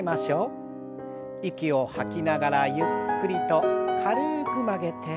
息を吐きながらゆっくりと軽く曲げて。